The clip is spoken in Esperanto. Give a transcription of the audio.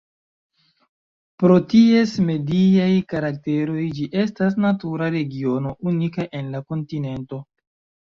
Pro ties mediaj karakteroj ĝi estas natura regiono unika en la kontinento.